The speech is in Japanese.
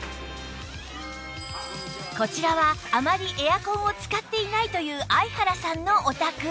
こちらはあまりエアコンを使っていないという相原さんのお宅